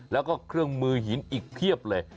แล้วก็เครื่องมือหินอีกเพียบเลย